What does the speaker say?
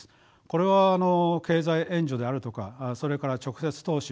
これは経済援助であるとかそれから直接投資